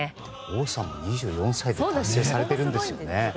王さんも２４歳で達成されているんですね。